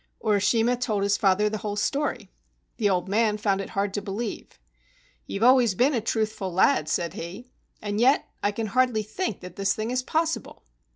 Urishima told his father the whole story. The old man found it hard to believe. "You have always been a truthful lad," said he, "and yet I can hardly think this thing is possible!